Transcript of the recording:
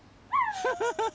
フフフフ。